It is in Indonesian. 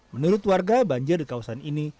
menurut warga banjir di kawasan ini